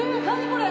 これ。